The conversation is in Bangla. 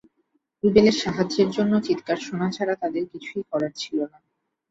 রুবেলের সাহায্যের জন্য চিৎকার শোনা ছাড়া তাঁদের কিছুই করার ছিল না।